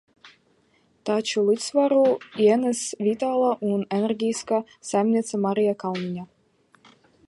Taču līdzsvaru ienes vitālā un enerģiskā saimniece Marija Kalniņa.